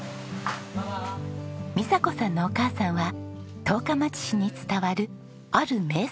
美佐子さんのお母さんは十日町市に伝わるある名産品を作っている方なんですが。